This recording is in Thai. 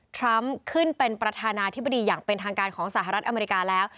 ทรัมป์ขึ้นเป็นประธานาธิบดีอย่างเป็นทางการของสหรัฐอเมริกาแล้ว